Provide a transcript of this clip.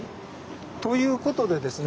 ということでですね